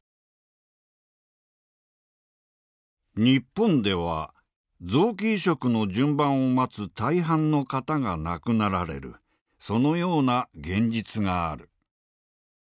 「日本では臓器移植の順番を待つ大半の方が亡くなられるそのような現実がある。